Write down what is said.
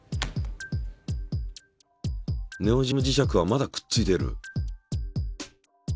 ネオジム磁石はまだくっついてる。